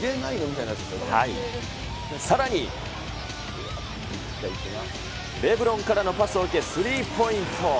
さらに、レブロンからのパスを受け、スリーポイント。